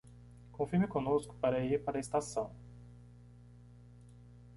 Confirme conosco para ir para a estação